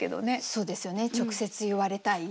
そうですよね直接言われたい？